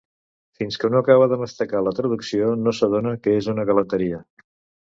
Fins que no acaba de mastegar la traducció no s'adona que és una galanteria.